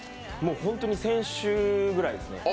本当に、先週ぐらいですね